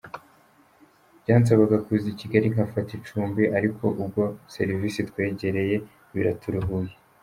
Byansabaga kuza i Kigali nkafata icumbi ariko ubwo serivise itwegereye biraturuhuye”.